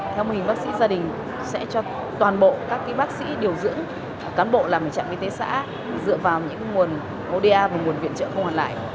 theo mô hình bác sĩ gia đình sẽ cho toàn bộ các bác sĩ điều dưỡng cán bộ làm trạm y tế xã dựa vào những nguồn oda và nguồn viện trợ không hoàn lại